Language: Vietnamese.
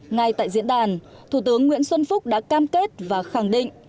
ngay tại diễn đàn thủ tướng nguyễn xuân phúc đã cam kết và khẳng định